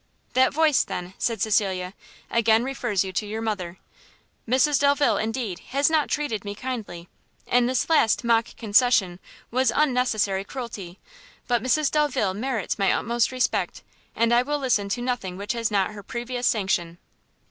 "That voice, then," said Cecilia, "again refers you to your mother. Mr Delvile, indeed, has not treated me kindly; and this last mock concession was unnecessary cruelty; but Mrs Delvile merits my utmost respect, and I will listen to nothing which has not her previous sanction."